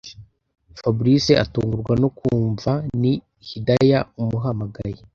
fabric atungurwa no kumva ni hidaya umuhagaye.